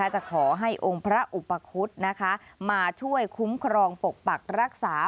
จะขอให้องค์พระอุปคุฎมาช่วยคุ้มครองปกปักรักษา